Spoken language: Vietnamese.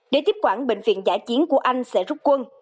để tiếp quản bệnh viện giả chiến của anh sẽ rút quân